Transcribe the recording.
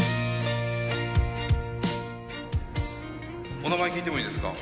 お名前聞いてもいいですか？